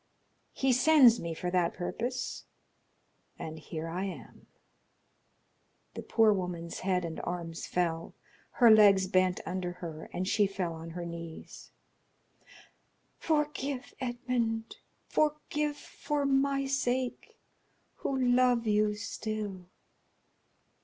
He sends me for that purpose, and here I am." The poor woman's head and arms fell; her legs bent under her, and she fell on her knees. "Forgive, Edmond, forgive for my sake, who love you still!"